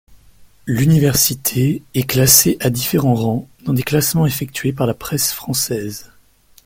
L'université est classée à différents rangs dans des classements effectués par la presse française.